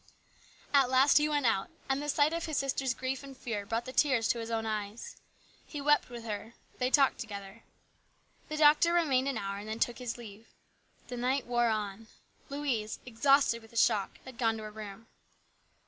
At last he went out, and the sight of his sister's grief and fear brought the tears to his own eyes. He wept with her. They talked together. The doctor remained an hour and then took his leave. The night wore on. Louise, exhausted with the shock, had gone to her room.